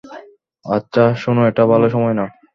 আচ্ছা, শোনো এটা ভালো সময় না।